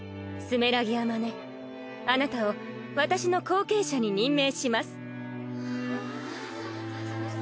皇あまねあなたを私の後継者に任命します